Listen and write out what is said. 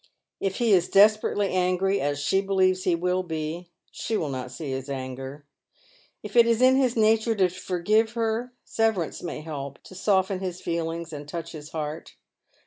If Iw^ is desperately angry, as she believes he will be, abe 288 Dead Men's Shoes. will not see his anger. If it is in his nature to forgive hcf, severance may help to soften his feelings and touch his heart.